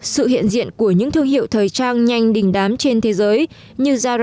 sự hiện diện của những thương hiệu thời trang nhanh đình đám trên thế giới như zara uniqlo